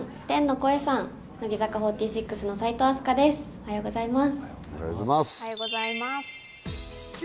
おはようございます。